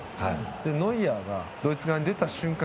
で、ノイアーがドイツ側に出た瞬間